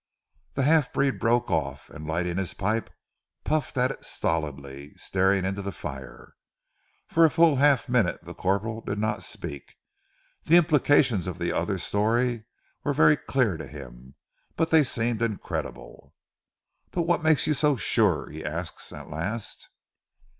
The half breed broke off, and lighting his pipe, puffed at it stolidly, staring into the fire. For a full half minute the corporal did not speak. The implications of the other's story were very clear to him, but they seemed incredible. "But what makes you so sure?" he asked at last.